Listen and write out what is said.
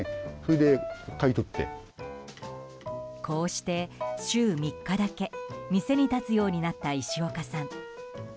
こうして、週３日だけ店に立つようになった石岡さん。